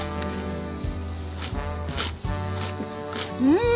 うん！